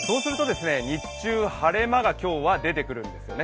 日中、晴れ間が今日は出てくるんですね。